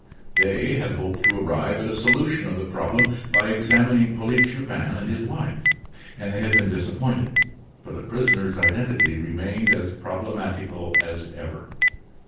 They had hoped to arrive at a solution of the problem by examining Polyte Chupin and his wife, and they had been disappointed; for the prisoner's identity remained as problematical as ever.